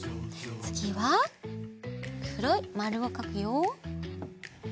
つぎはくろいまるをかくよ。